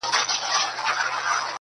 زه ملاقات ته حاضر يم